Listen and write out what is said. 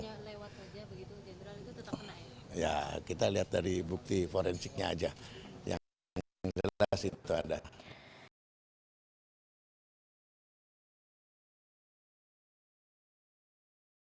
hanya lewat saja begitu jenderal itu tetap enak ya